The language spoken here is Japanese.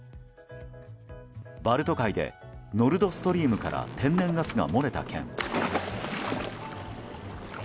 バルト海でノルドストリームから天然ガスが漏れた件。